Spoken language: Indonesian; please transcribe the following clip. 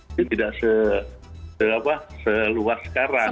itu tidak seluas sekarang